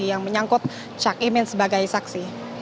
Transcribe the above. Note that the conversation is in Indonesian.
yang menyangkut cak imin sebagai saksi